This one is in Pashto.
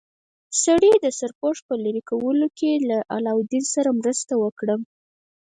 سړي د سرپوښ په لرې کولو کې له علاوالدین سره مرسته وکړه.